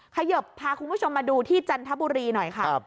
เขยิบพาคุณผู้ชมมาดูที่จันทบุรีหน่อยค่ะ